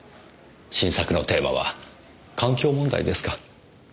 新作のテーマは環境問題ですか。